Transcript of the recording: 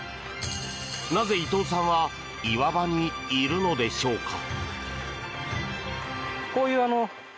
なぜ、伊藤さんは岩場にいるのでしょうか。